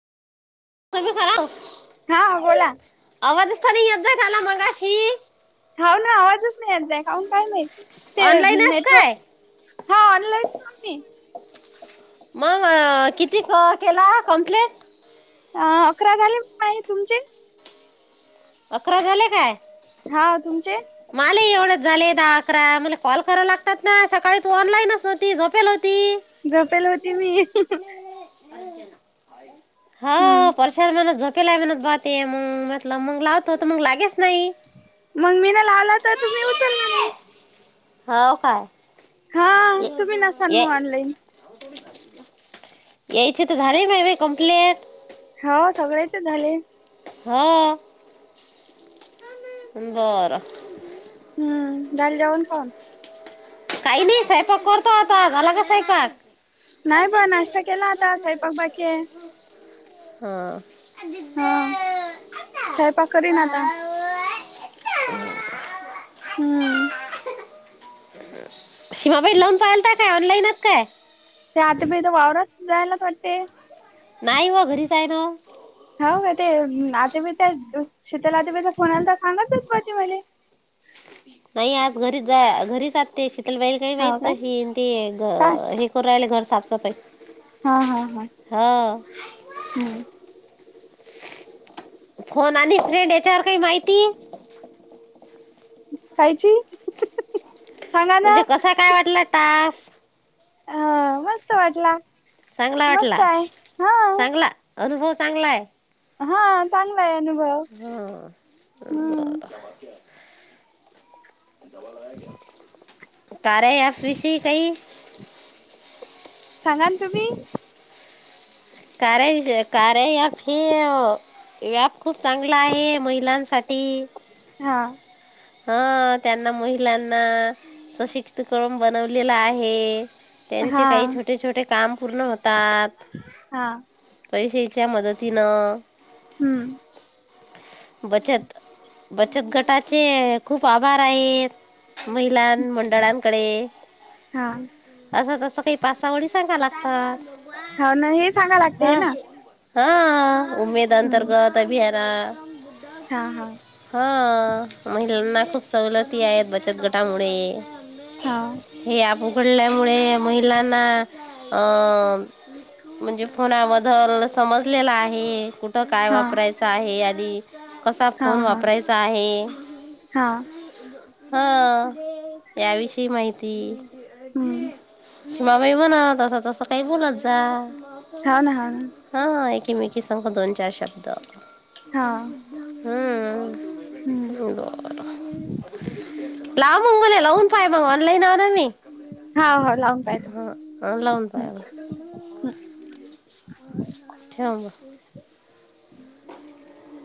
[unintelligible] हा बोला. आवाजच का येत नाही झाला मगाशी? हाव ना आवाजच नाही येत आहे कावून काय माहित. ते ऑनलाईनच नेटवर्क, काय हा ऑनलाईनचय मी. मग अ किती क अ केला कंप्लेंट? ह अकरा झाले ना माये तुमचे?? अकरा झाले काय?? हा तुमचे?? मला एवढेच झाले दहा अकरा मला कॉल कराव लागतात ना सकाळी तू ऑनलाईनच होती झोपले होती. झोपले होते मी. हम्म हां.. वर्षाला मग झोपेला [unintelligible] मग म्हटलं मग लावतो मग लागेच नाही. मग मी न लावला होता तुम्ही उचलला नाही. हाव काय हा ये तुम्ही नसाल ये. मग ऑनलाईन यायची तर झालय माय बाई कंप्लेंट. हाव सगळेच झाले. हां.. बरं. हम्म झालं जेवण खाऊन? काही नाही स्वयंपाक करतो आता, झाला का स्वयंपाक नाही बा नाश्ता केला आता स्वयंपाक बाकी आहे. हा [unintelligible] हं सयपाक करीन आता. हम्म. सीमा बाईला लावून पायलत काय ऑनलाईन हायत काय. ते आता पथ वावरात जायला करते. नाही हो घरीच आहे नवं. हो का ते अ आत्याबाई त्या शीतल आत्याबाईचा फोन आलता सांगायला तर पाहिजे मले, ह [unintelligible] नाही आज घरीच जा घरीच आहेत ते शीतलबाईला काही हाव माहित काय नाही हे अण ते घ काय हे करू राहिले घर साफ सफाई. हा हा हां हां हम्म फोन आणि फ्रेंड यांच्यावर काही माहिती कायची. म्हणजे कसा काय वाटला टास्क. हा मस्त वाटला, चांगला मस्त वाटला आहे. हा चांगला अनुभव चांगलाय. हा चांगलाय आहे अनुभव. ह हम्म बरं. हम [unintelligible] तारे या एफ विषयी काही. सांगा ना तुम्ही. तारा इज अ काराया ॲप हे वो. हे ॲप खूप चांगल आहे महिलांसाठी. हा हां त्यांना महिलांना. संक्षिप्त करून बनवलेल आहे. त्यांचे हा काही छोटे छोटे काम पूर्ण होतात. हा. पैशच्या मदतीनं हम्म अ बचत. बचत गटाचे खूप आभार आहेत. महिलां मंडळांकडे. हा. असं तसं काही पाच सहा ओळी सांगा लागतात. हाव ना हे सांगा लागतेय हा ना. हा उमेद हम्म अंतर्गत अभियानात. हा हा हा महिलांना खूप सवलती आहेत बचत गटामुळे. हां. हे ॲप उघडल्यामुळे महिलांना अं म्हणजे फोनामधल समजलेलं आहे कुठं काय हा वापरायचं आहे आधी कसा हा फोन हा वापरायचा आहे. हा हं याविषयी माहिती. हम्म. सीमाबाई विगून तसं तसं काही बोलत जा हो ना हा. हां एकीमिकी संग दोन चार शब्द हां. हम्म [unintelligible] लाव मंग मले लावून पाय मग ऑनलाईन हाय ना मी हा हो लावता आहेत हा लावून पाय हं मग हं ठेव मग.